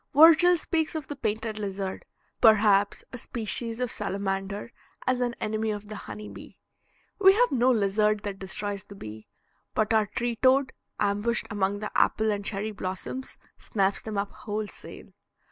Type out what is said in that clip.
Virgil speaks of the painted lizard, perhaps a species of salamander, as an enemy of the honey bee. We have no lizard that destroys the bee; but our tree toad, ambushed among the apple and cherry blossoms, snaps them up wholesale.